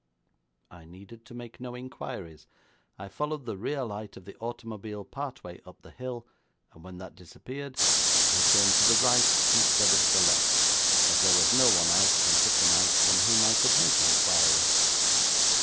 'I needed to make no inquiries. I followed the rear light of the automobile part way up the hill, and, when that disappeared, I turned to the right instead of the left, as there was no one out on such a night from whom I could make inquiry.'